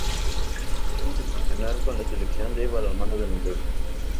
Es internacional con la Selección de balonmano de Noruega.